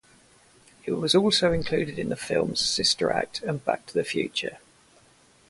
It was also included in the films "Sister Act" and "Back to the Future".